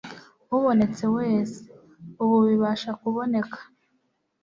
ubonetse wese, ubu bibasha kuboneka